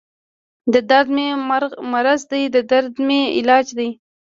دردمې مرض دی دردمې علاج دی